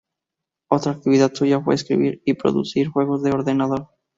Otra actividad suya fue escribir y producir juegos de ordenador.